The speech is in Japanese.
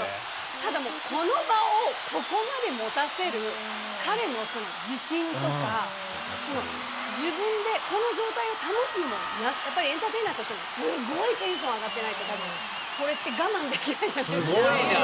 ただもうこの場をここまで持たせる彼のその自信とか自分でこの状態を保つのもやっぱりエンターテイナーとしてもすごいテンション上がってないと多分これって我慢できないじゃないですか。